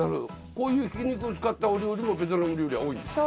こういうひき肉を使ったお料理もベトナム料理は多いんですか？